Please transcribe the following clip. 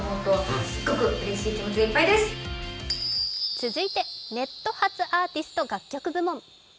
続いてネット発アーティスト楽曲部門。